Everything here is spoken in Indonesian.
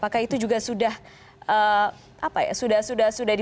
terima kasih pak purban